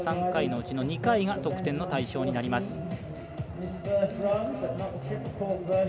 ３回のうちの２回が得点の対象になります。